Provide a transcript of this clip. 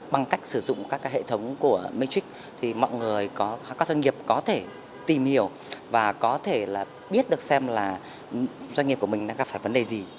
bằng cách sử dụng các hệ thống của matrix thì mọi người các doanh nghiệp có thể tìm hiểu và có thể là biết được xem là doanh nghiệp của mình đang gặp phải vấn đề gì